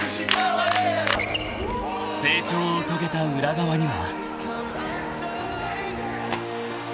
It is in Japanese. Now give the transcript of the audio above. ［成長を遂げた裏側には］